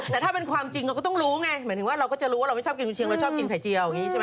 แต่ถ้าเป็นความจริงก็ต้องรู้ไงหมายถึงว่าเราก็จะรู้ว่าเราไม่ชอบกินก๋วยเชียงเราชอบกินไข่เจียว